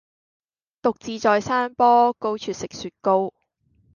獨自在山坡,高處食雪糕.